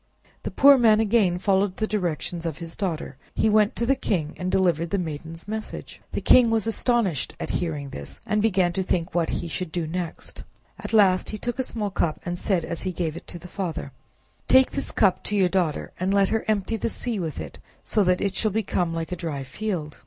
The poor man again followed the directions of his daughter; he went to the king and delivered the maiden's message. The king was astonished at hearing this, and began to think what he should do next. At last he took up a small cup, and said as he gave it to the father— "Take this cup to your daughter, and let her empty the sea with it, so that it shall become like a dry field."